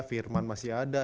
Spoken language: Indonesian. firman masih ada